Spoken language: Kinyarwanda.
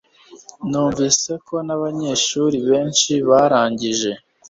Numvise ko nabanyeshuri benshi barangije